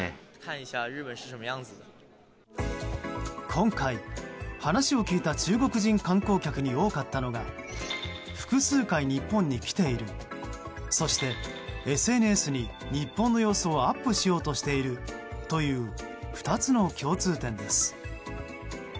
今回、話を聞いた中国人観光客に多かったのが複数回、日本に来ているそして、ＳＮＳに日本の様子をアップしようとしているという２つの共通点です。